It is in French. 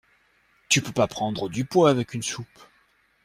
Tu peux pas prendre du poids avec une soupe.